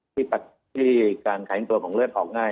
ที่การแข็งตัวของเลือดออกง่าย